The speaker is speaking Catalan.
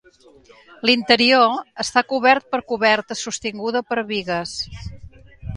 L'interior està cobert per coberta sostinguda per bigues.